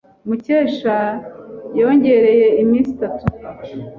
Mukesha yongereye iminsi itatu.